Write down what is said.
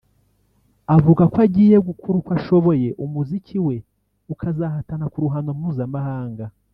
avuga ko agiye gukora uko ashoboye umuziki we ukazahatana kuruhando mpuzamahanga